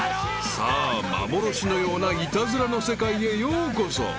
［さあ幻のようなイタズラの世界へようこそ］